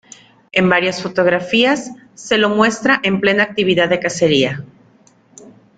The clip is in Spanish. En varias fotografías se lo muestra en plena actividad de cacería.